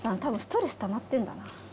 たぶんストレスたまってんだな。